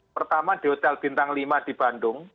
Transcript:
pertama di hotel bintang lima di bandung